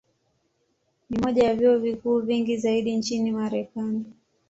Ni moja ya vyuo vikuu vingi zaidi nchini Marekani.